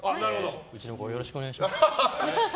うちの子をよろしくお願いします。